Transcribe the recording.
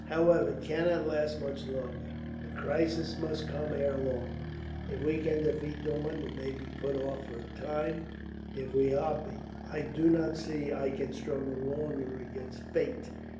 "However, it cannot last much longer. The crisis must come, ere long. If we can defeat Daun, it may be put off for a time. If we are beaten, I do not see that I can struggle longer against fate.